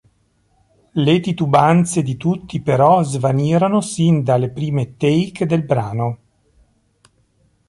Le titubanze di tutti però, svanirono sin dalle prime take del brano.